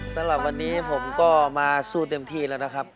สำหรับวันนี้ผมก็มาสู้เต็มที่แล้วนะครับ